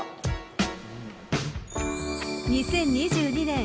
［２０２２年。